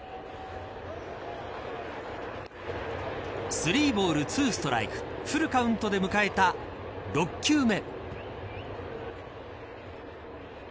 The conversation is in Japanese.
スリーボール、ツーストライクフルカウントで迎えた６球目。